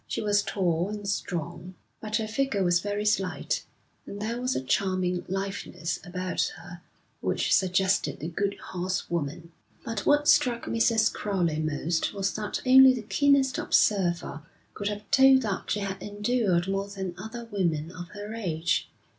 She was tall and strong, but her figure was very slight; and there was a charming litheness about her which suggested the good horse woman. But what struck Mrs. Crowley most was that only the keenest observer could have told that she had endured more than other women of her age.